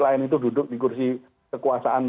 lain itu duduk di kursi kekuasaan